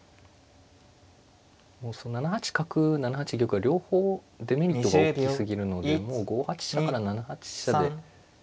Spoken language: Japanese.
７八角７八玉は両方デメリットが大きすぎるのでもう５八飛車から７八飛車で勝負ですね